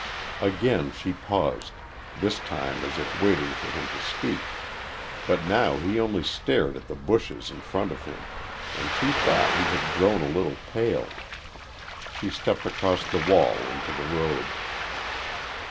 Again she paused, this time as if waiting for him to speak. But now he only stared at the bushes in front of him, and she thought he had grown a little pale. She stepped across the wall into the road.